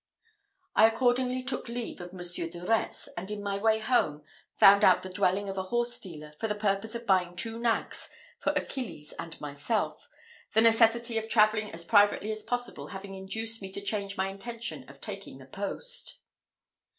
I accordingly took leave of Monsieur de Retz; and in my way home, found out the dwelling of a horse dealer, for the purpose of buying two nags for Achilles and myself; the necessity of travelling as privately as possible having induced me to change my intention of taking the post.